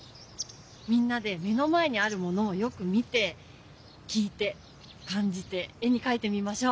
みんなで目の前にあるものをよく見て聞いて感じて絵にかいてみましょう。